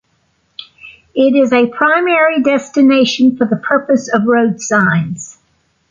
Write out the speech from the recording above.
It is a primary destination for the purpose of road signs.